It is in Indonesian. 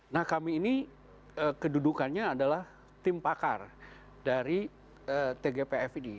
nah kami ini kedudukannya adalah tim pakar dari tgpf ini